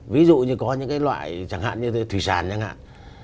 ví dụ như có những cái loại chẳng hạn như thủy sản chẳng hạn